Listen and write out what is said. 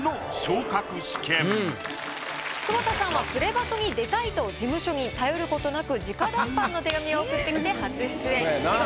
久保田さんは「プレバト」に出たいと事務所に頼ることなく直談判の手紙を送ってきて初出演。